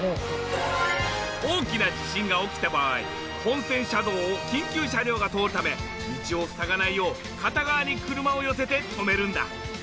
大きな地震が起きた場合本線車道を緊急車両が通るため道を塞がないよう片側に車を寄せて止めるんだ。